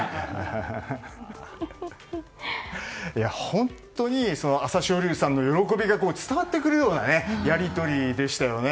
本当に朝青龍さんの喜びが伝わってくるようなやり取りでしたよね。